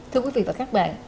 thưa quý vị và các bạn